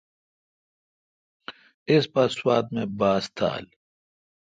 ایس یا سوات می باس تھال۔